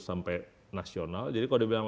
sampai nasional jadi kalau dibilang